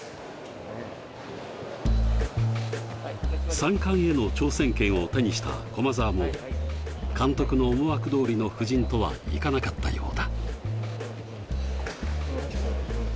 三冠への挑戦権を手にした駒澤も、監督の思惑通りの布陣とはいかなかったようだ。